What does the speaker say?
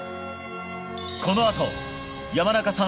このあと山中さん